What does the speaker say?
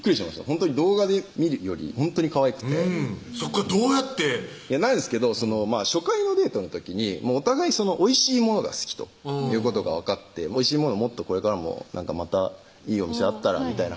ほんとに動画で見るよりほんとにかわいくてうんそこからどうやってなんですけど初回のデートの時にお互いおいしいものが好きということが分かって「おいしいものもっとこれからもまたいいお店あったら」みたい